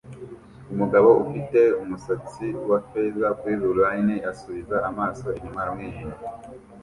Umugabo ufite umusatsi wa feza kuri ruline asubiza amaso inyuma aramwenyura